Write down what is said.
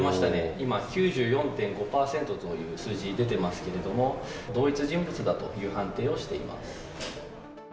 今、９４．５％という数字、出てますけれども、同一人物だという判定をしています。